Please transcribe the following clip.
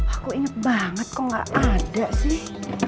aku inget banget kok gak ada sih